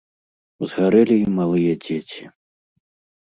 Згарэлі і малыя дзеці.